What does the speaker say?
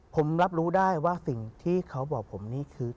ผมรับรู้ได้ว่าสิ่งที่เขาบอกผมนี่คือ